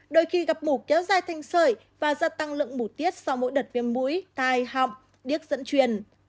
đôi khi gặp mũ kéo dài thanh sởi và gia tăng lượng mù tiết sau mỗi đợt viêm mũi tai họng điếc dẫn truyền